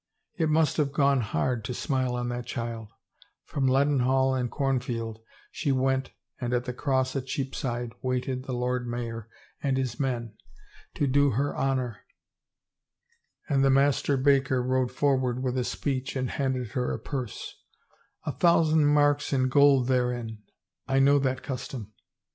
It must have gone hard to smile on that child 1 From Leadenhall and Cornfield she went and at the cross at Cheapside waited the Lord Mayor and his men to do her honor and the mas 259 THE FAVOR OF KINGS ter baker rode forward with a speech and handed her a purse —"" A thousand marks in gold therein. I know that custom."